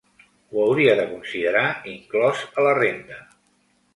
Ho hauria de considerar inclòs a la renda.